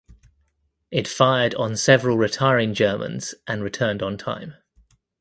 It fired on several retiring Germans and returned on time.